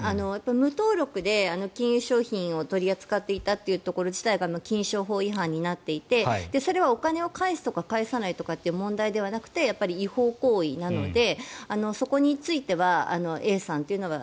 無登録で金融商品を取り扱っていたこと自体が金商法違反になっていてそれはお金を返すとか返さないという問題ではなくて違法行為なのでそこについてはＡさんというのは